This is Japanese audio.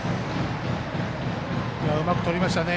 うまくとりましたね。